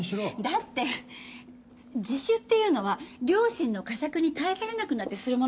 だって自首っていうのは良心の呵責に耐えきれなくなってするものですよね？